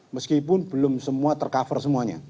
meskipun belum semua tercover semuanya